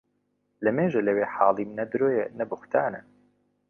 لە مێژە لە وی حاڵیم نە درۆیە نە بوختانە